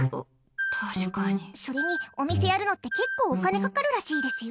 それに、お店やるのって結構お金かかるらしいですよ。